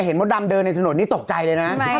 มดดำเดินในถนนนี้ตกใจเลยนะ